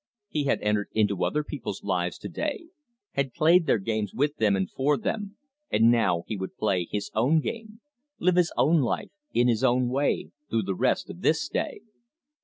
He had entered into other people's lives to day, had played their games with them and for them, and now he would play his own game, live his own life in his own way through the rest of this day.